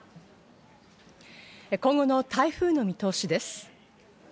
今後の台風の見通しです。